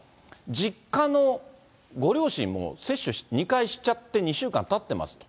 実家のご両親も接種２回しちゃって２週間たってますと。